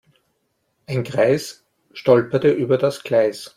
Ein Greis stolperte über das Gleis.